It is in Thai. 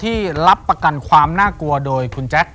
ที่รับประกันความน่ากลัวโดยคุณแจ๊ค